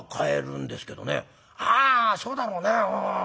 「ああそうだろうね。